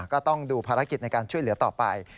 ก็ต้องดูภารกิจในการช่วยเหลือต่อไป